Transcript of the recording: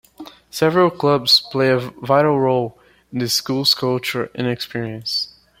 Several clubs play a vital role in the school's culture and experience.